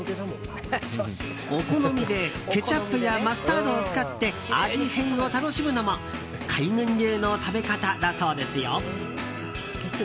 お好みでケチャップやマスタードを使って味変を楽しむのも海軍流の食べ方だそうですよ。